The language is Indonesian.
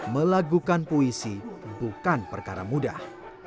melakukan puisi bukan perkara mudah